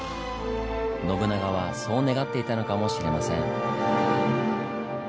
信長はそう願っていたのかもしれません。